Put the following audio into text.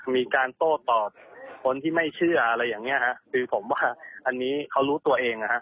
มีการโต้ตอบคนที่ไม่เชื่ออะไรอย่างเงี้ฮะคือผมว่าอันนี้เขารู้ตัวเองนะฮะ